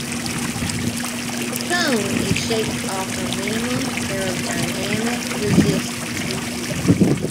The cone is shaped to offer minimum aerodynamic resistance.